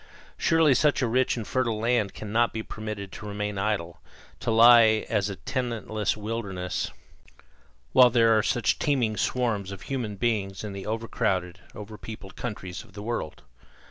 Surely such a rich and fertile land cannot be permitted to remain idle, to lie as a tenantless wilderness, while there are such teeming swarms of human beings in the overcrowded, over peopled countries of the Old World.